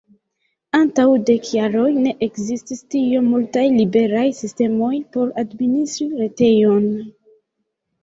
Antaŭ dek jaroj ne ekzistis tiom multaj liberaj sistemoj por administri retejon.